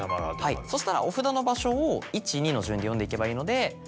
そしたらお札の場所を１２の順で読んでいけばいいので。